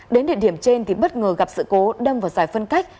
đến địa điểm trên thì bất ngờ gặp sự cố đâm vào giải phân cách